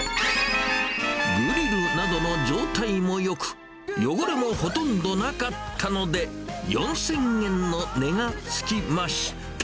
グリルなどの状態もよく、汚れもほとんどなかったので、４０００円の値がつきました。